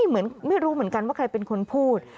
เหมือนไม่รู้เหมือนกันว่าใครเป็นคนพูด